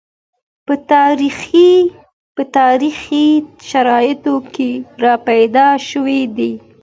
په تاریخي شرایطو کې راپیدا شوي دي